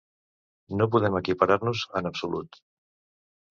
No podem equiparar-nos, en absolut.